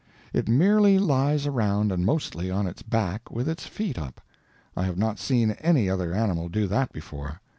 It merely lies around, and mostly on its back, with its feet up. I have not seen any other animal do that before.